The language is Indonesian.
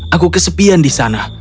aku kesepian di sana